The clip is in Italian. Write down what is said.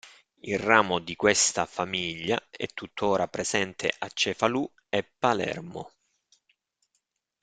Il ramo di questa famiglia è tuttora presente a Cefalù e Palermo.